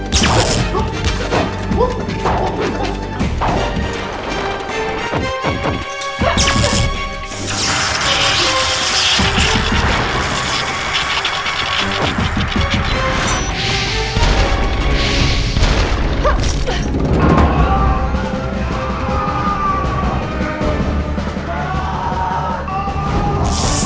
jangan lupa untuk berlangganan